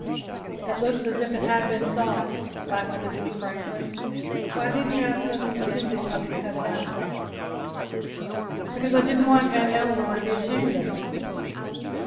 "It looks as if it had been sawed," laughed Mrs. Franklin. "Why didn't you ask Mrs. Mackenzie to help you cut it?" "Because I didn't want Aunt Eleanor to be ashamed of me."